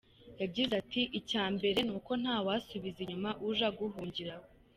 Yagize ati "Icya mbere ni uko ntawasubiza inyuma uje aguhungiraho.